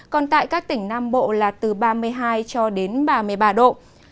còn tại các tỉnh nam bộ là từ ba mươi hai cho đến ba mươi ba độ